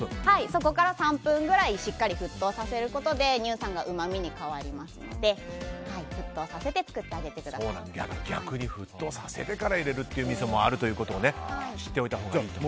そこから３分くらいしっかり沸騰させることで乳酸がうまみに変わるので逆に沸騰させてから入れるみそもあるということを知っておいたほうがいいと。